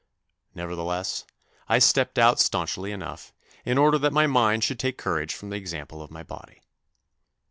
Nevertheless I stepped out staunchly enough, in order that my mind should take courage from the example of my body.